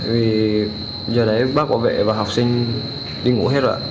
vì giờ đấy bác bảo vệ và học sinh đi ngủ hết rồi ạ